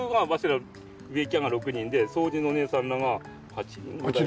ら植木屋が６人で掃除のお姉さんらが８人？